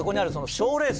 「賞レース」！